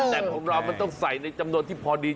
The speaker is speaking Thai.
แต่ของเรามันต้องใส่ในจำนวนที่พอดี